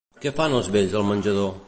Què fan els vells al menjador?